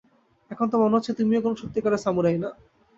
এখন তো মনে হচ্ছে তুমিও কোন সত্যিকারের সামুরাই না!